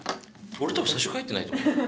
俺多分最初から入ってないと思うよ。